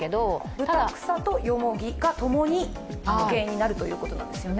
ブタクサとヨモギが、ともに原因になるということなんですよね。